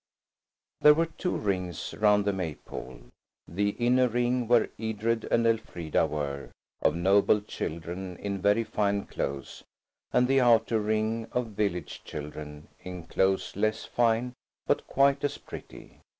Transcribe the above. There were two rings round the Maypole–the inner ring, where Edred and Elfrida were, of noble children in very fine clothes, and the outer ring, of village children in clothes less fine but quite as pretty.